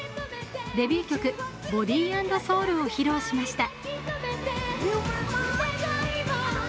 デビュー曲「Ｂｏｄｙ＆Ｓｏｕｌ」を披露しました。